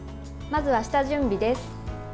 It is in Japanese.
まずは下準備です。